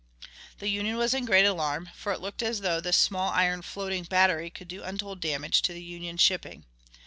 The Union was in great alarm, for it looked as though this small iron floating battery could do untold damage to the Union shipping.